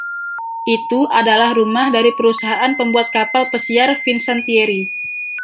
Itu adalah rumah dari perusahaan pembuat kapal pesiar Fincantieri.